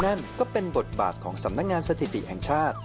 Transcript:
นั่นก็เป็นบทบาทของสำนักงานสถิติแห่งชาติ